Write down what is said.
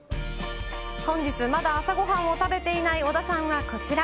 本日まだ朝ごはんを食べていない小田さんはこちら。